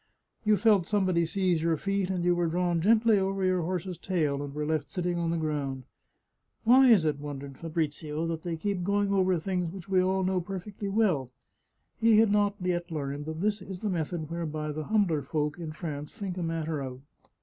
" You felt somebody seize your feet, you were drawn gently over your horse's tail, and were left sitting on the ground," " Why is it," wondered Fabrizio, " that they keep going over things which we all know perfectly well !" He had not yet learned that this is the method whereby the humbler folk in France think a matter out.